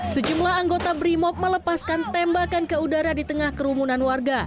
sejumlah anggota brimop melepaskan tembakan ke udara di tengah kerumunan warga